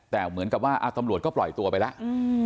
แต่เหมือนกับว่าตำรวจก็ปล่อยตัวไปแล้ว